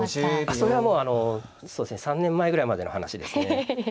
あそれはもうあのそうですね３年前ぐらいまでの話ですね。